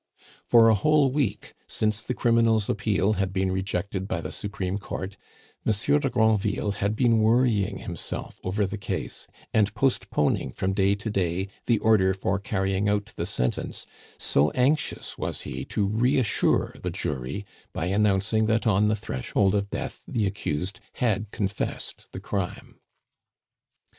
For a whole week, since the criminal's appeal had been rejected by the Supreme Court, Monsieur de Granville had been worrying himself over the case, and postponing from day to day the order for carrying out the sentence, so anxious was he to reassure the jury by announcing that on the threshold of death the accused had confessed the crime.